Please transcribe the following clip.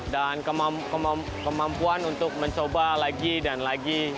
dan kemampuan untuk mencoba lagi dan lagi